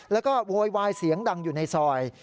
แล้วก็โวยวายเสียงดังอยู่ในซอย